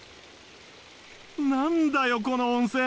何だよこの温泉！